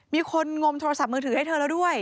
งมโทรศัพท์มือถือให้เธอแล้วด้วย